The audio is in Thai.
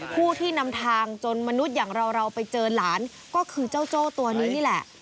ผู้ที่นำทางจนมนุษย์อย่างเราไปเจอหลานก็คือเจ้าโจ้ตัวนี้นี่แหละ